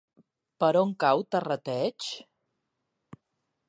Per on cau Terrateig?